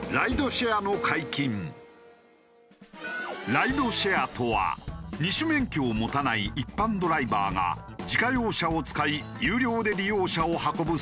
ライドシェアとは二種免許を持たない一般ドライバーが自家用車を使い有料で利用者を運ぶサービスの事。